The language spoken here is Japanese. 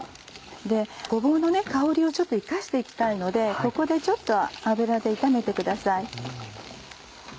ごぼうの香りをちょっと生かしていきたいのでここでちょっと油で炒めてください。